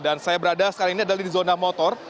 dan saya berada sekarang ini adalah di zona motor